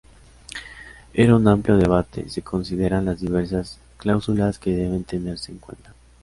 En un amplio debate se consideran las diversas cláusulas que deben tenerse en cuenta.